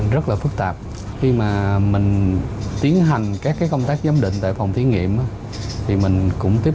rất là phức tạp khi mà mình tiến hành các công tác giám định tại phòng thí nghiệm thì mình cũng tiếp